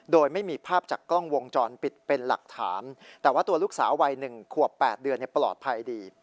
โดยไม่มีภาพจากกล้องวงจรปิดเป็นหลักฐานแต่ว่าตัวลูกสาววัย๑ขวบ๘เดือนปลอดภัยดี